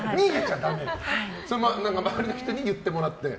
それは周りの人に言ってもらって？